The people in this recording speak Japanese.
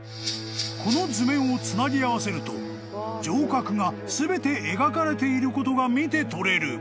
［この図面をつなぎ合わせると城郭が全て描かれていることが見てとれる］